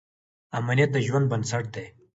امنیت د ژوند بنسټ دی.